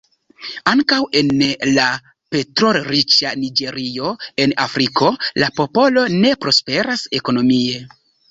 Ankaŭ en la petrolriĉa Niĝerio, en Afriko, la popolo ne prosperas ekonomie.